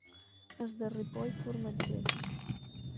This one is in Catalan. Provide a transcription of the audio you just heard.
Els de Ripoll, formatgers.